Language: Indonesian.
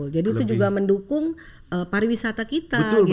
jadi itu juga mendukung pariwisata kita gitu kan